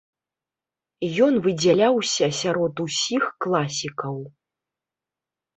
Ён выдзяляўся сярод усіх класікаў.